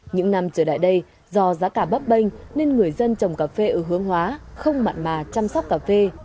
những năm trở lại đây do giá cả bấp bênh nên người dân trồng cà phê ở hướng hóa không mặn mà chăm sóc cà phê